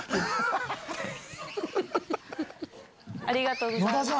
ありがとうございます。